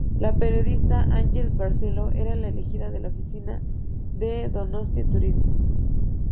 La periodista Angels Barceló era la elegida por la oficina de Donostia Turismo.